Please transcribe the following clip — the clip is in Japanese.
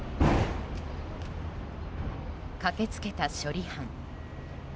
駆けつけた処理班。